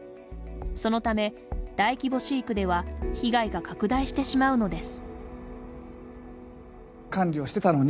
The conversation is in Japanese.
そのため、大規模飼育では被害が拡大してしまうのです。